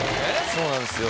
そうなんすよ。